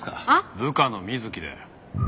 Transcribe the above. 部下の水木だ。